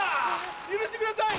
許してください。